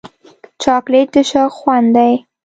چاکلېټ د شوق خوند دی.